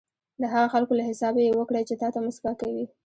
د هغه خلکو له حسابه یې وکړئ چې تاته موسکا کوي.